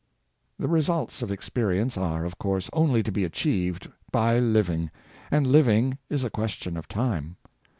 The results of experience are, of course, only to be achieved by living; and living is a question of time.